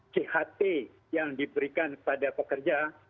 cht yang diberikan kepada pekerja